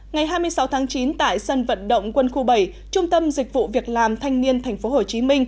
ngày hai mươi sáu tháng chín tại sân vận động quân khu bảy trung tâm dịch vụ việc làm thanh niên tp hcm